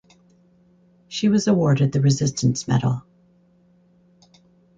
She was awarded the Resistance Medal.